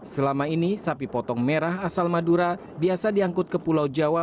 selama ini sapi potong merah asal madura biasa diangkut ke pulau jawa